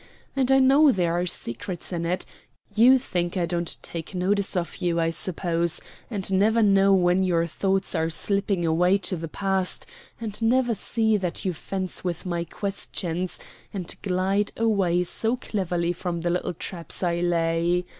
And I know there are secrets in it. You think I don't take notice of you, I suppose; and never know when your thoughts are slipping away to the past and never see that you fence with my questions, and glide away so cleverly from the little traps I lay.